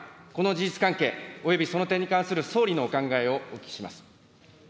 この事実関係およびその点に関する総理のお考えをお聞きします。